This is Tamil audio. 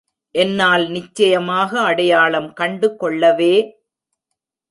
என்னால் நிச்சயமாக அடையாளம் கண்டு கொள்ளவே.